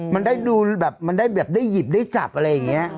มันได้ดูแบบมันได้แบบได้หยิบได้จับอะไรอย่างนี้